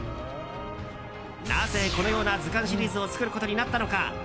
なぜ、このような「図鑑」シリーズを作ることになったのか。